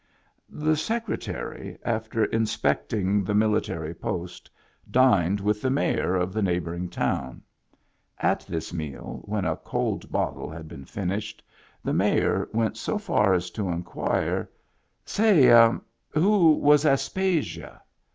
The Secretary, after inspecting the military Digitized by Google 98 MEMBERS OF THE FAMILY post, dined with the mayor of the neighboring town. At this meal, when a cold bottle had been finished, the mayor went so far as to inquire: " Say, who was Aspasia